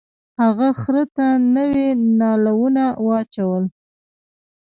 هغه خر ته نوي نالونه واچول.